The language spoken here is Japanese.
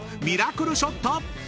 ミラクルショット！］